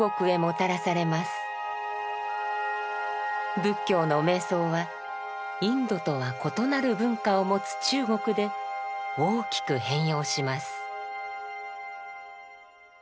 仏教の瞑想はインドとは異なる文化を持つ中国で大きく変容します。